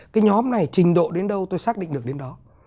cái nhóm này trình độ đến đâu tôi xác định được đến đó